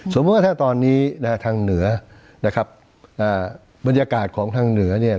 สมมุติว่าถ้าตอนนี้นะฮะทางเหนือนะครับบรรยากาศของทางเหนือเนี่ย